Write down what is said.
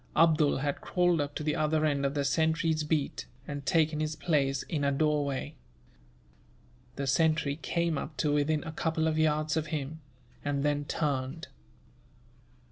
Abdool had crawled up to the other end of the sentry's beat, and taken his place in a doorway. The sentry came up to within a couple of yards of him, and then turned.